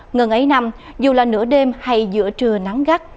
ngân ấy năm dù là nửa đêm hay giữa trưa nắng gắt